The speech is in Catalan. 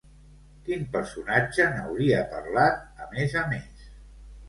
Quin personatge n'hauria parlat, a més a més?